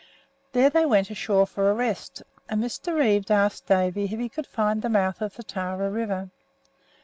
There they went ashore for a rest, and Mr. Reeve asked Davy if he could find the mouth of the Tarra River.